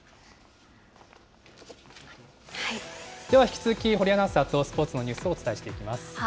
では、引き続き堀アナウンサーとスポーツのニュースをお伝えしていきます。